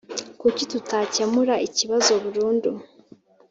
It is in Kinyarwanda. kuki tutakemura ikibazo burundu?